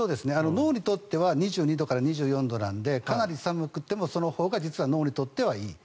脳にとっては２２度から２４度なのでかなり寒くてもそのほうが脳にとってはいい。